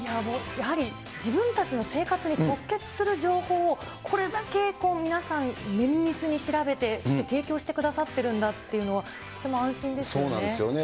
やはり自分たちの生活に直結する情報を、これだけ皆さん、綿密に調べて、提供してくださっているんだというのは、とても安そうなんですよね。